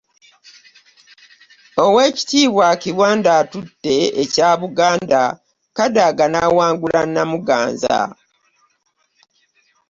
Oweekitiibwa Kiwanda atutte ekya Buganda, Kadaga n'awangula Namuganza